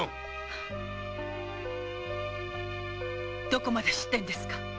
どこまで知ってるんですか